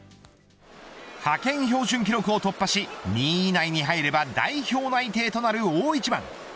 派遣標準記録を突破し２位以内に入れば代表内定となる大一番。